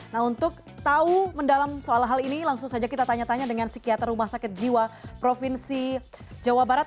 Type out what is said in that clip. nah untuk tahu mendalam soal hal ini langsung saja kita tanya tanya dengan psikiater rumah sakit jiwa provinsi jawa barat